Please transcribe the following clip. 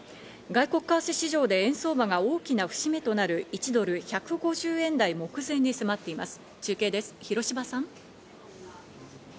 外国為替市場で円相場が大きな節目となる、１ドル＝１５０円台目前に迫っています。